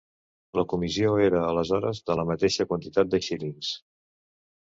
La comissió era aleshores de la mateixa quantitat de xílings.